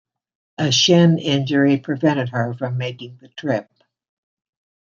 A shin injury prevented her from making the trip.